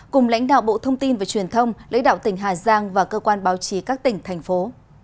cùng lãnh đạo bộ thông tin và truyền thông lãnh đạo tỉnh hà giang và cơ quan báo chí các tỉnh thành phố